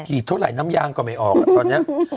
เท่าไหร่น้ำยางก็ไม่ออกตอนนี้